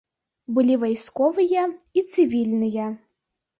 Былі вайсковыя і цывільныя.